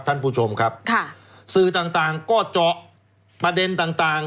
ท่านผู้ชมครับสื่อต่างก็เจาะประเด็นต่าง